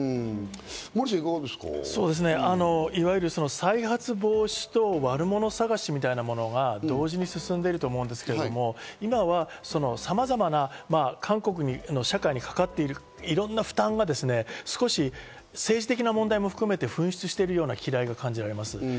再発防止と悪者探しみたいなものが同時に進んでいると思うんですけど、今はさまざまな韓国の社会に関わっている、いろんな負担が少し政治的な問題も含めて噴出しているきらいが感じられます。